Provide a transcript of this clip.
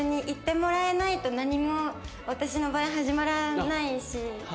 言ってもらえないと何も私の場合始まらないし。